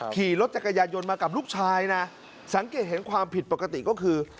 ขี่รถจักรยานยนต์มากับลูกชายนะสังเกตเห็นความผิดปกติก็คือ